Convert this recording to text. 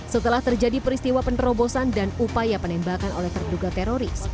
setelah terjadi peristiwa penerobosan dan upaya penembakan oleh terduga teroris